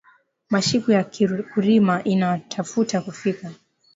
Mashiku ya kurima ina tafuta kufika